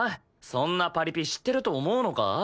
そんなパリピ知ってると思うのか？